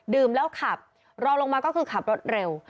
ดื่มแล้วขับรอลงมาก็คือขับรถเร็ว